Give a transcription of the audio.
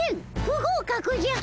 不合格じゃ。